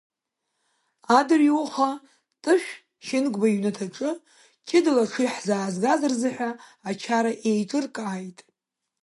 Адырҩауха Тышә Шьынқәба иҩнаҭаҿы, ҷыдала аҽыҩ ҳзаазгаз рзыҳәа ачара еиҿыркааит.